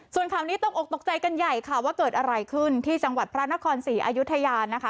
ส่วนข่าวนี้ตกอกตกใจกันใหญ่ค่ะว่าเกิดอะไรขึ้นที่จังหวัดพระนครศรีอายุทยานะคะ